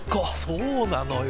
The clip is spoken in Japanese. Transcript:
そうなのよ。